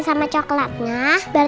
pada beberapa hari